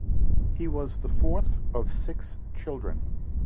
He was the fourth of six children.